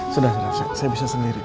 sudah selesai saya bisa sendiri